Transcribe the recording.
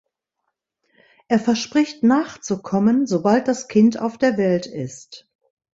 Er verspricht nachzukommen, sobald das Kind auf der Welt ist.